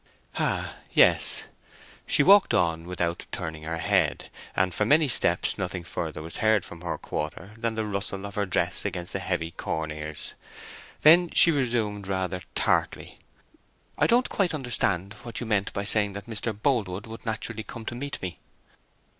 "Ah, yes." She walked on without turning her head, and for many steps nothing further was heard from her quarter than the rustle of her dress against the heavy corn ears. Then she resumed rather tartly— "I don't quite understand what you meant by saying that Mr. Boldwood would naturally come to meet me."